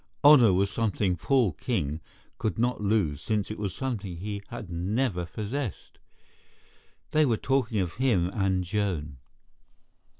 Honour was something Paul King could not lose since it was something he had never possessed. They were talking of him and Joan.